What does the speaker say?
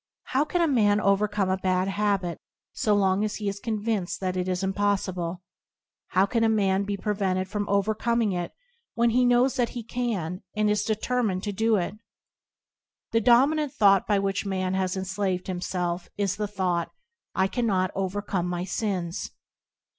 How can a man overcome a bad habit so long as he is convinced that it is impossible? How can a man be pre vented from overcoming it when he knows that he can, and is determined to do it? The dominant thought by which man has enslaved himself is the thought, "I cannot overcome my sins."